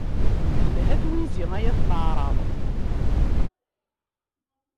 Telha twizi ay at leεraḍ.